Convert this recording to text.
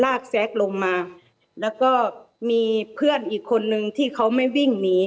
แซคลงมาแล้วก็มีเพื่อนอีกคนนึงที่เขาไม่วิ่งหนี